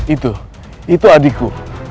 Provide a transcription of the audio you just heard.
itu itu adikku